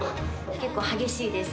結構激しいです